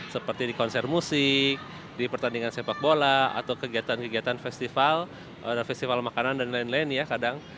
seperti di konser musik di pertandingan sepak bola atau kegiatan kegiatan festival festival makanan dan lain lain ya kadang